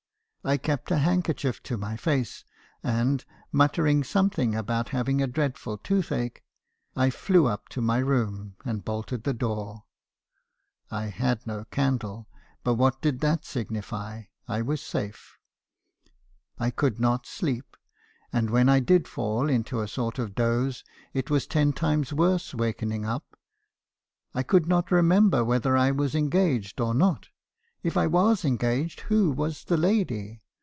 I kept a handkerchief to my face, and, muttering something about having a dreadful toothache, I flew up to my room, and bolted the door. I had no candle; 304 MB. HAERISON'S CONCESSIONS. but what did that signify. 1 was safe. I could not sleep ; and when I did fall into a sort of doze, it was ten times worse wakening up. I could not remember whether I was engaged or not. If I was engaged, who was the lady?